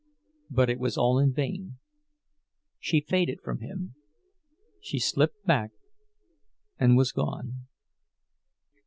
But it was all in vain—she faded from him, she slipped back and was gone.